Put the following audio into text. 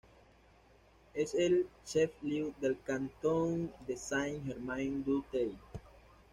Es el "chef-lieu" del cantón de Saint-Germain-du-Teil.